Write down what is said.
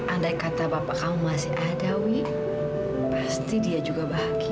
andai kata bapak kamu masih adawi pasti dia juga bahagia